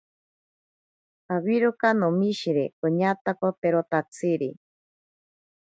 Awiroka nomishiri koñatakoperotatsiri.